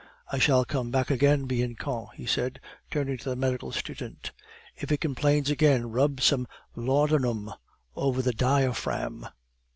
I shall come back again, Bianchon," he said, turning to the medical student. "If he complains again, rub some laudanum over the diaphragm."